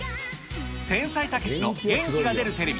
天才・たけしの元気が出るテレビ！